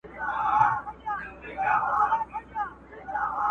اوس به كومه تورپېكۍ پر بولدك ورسي٫